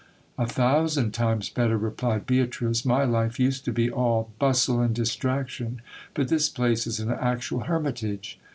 A thousand times better, replied Beatrice; my life used to be all bustle and distraction ; but this place is an actual hermit age.